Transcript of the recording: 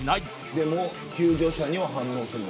でも救助者には反応するの？